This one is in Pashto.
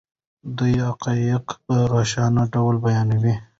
دی حقایق په روښانه ډول بیانوي.